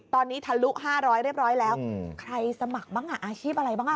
ตอนนี้ทะลุ๕๐๐เรียบร้อยแล้วใครสมัครบ้างอ่ะอาชีพอะไรบ้างอ่ะ